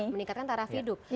meningkatkan taraf hidup